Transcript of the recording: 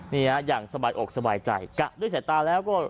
เนี่ยอย่างสบายอกสบายใจกะด้วยสายตาแล้วก็